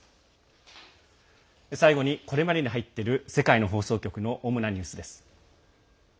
最後にこれまでに入っている世界の放送局の主なニュースです。